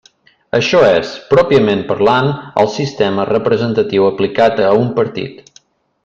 Això és, pròpiament parlant, el sistema representatiu aplicat a un partit.